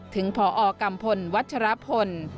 ถึงพอกัมพลวัชรพล